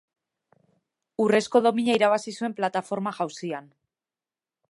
Urrezko domina irabazi zuen plataforma-jauzian.